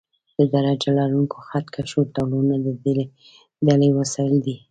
د درجه لرونکو خط کشونو ډولونه د دې ډلې وسایل دي.